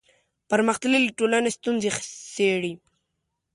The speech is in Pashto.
پرمختللې ټولنې ستونزې څېړي